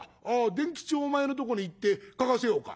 伝吉お前のとこに行って書かせようか」。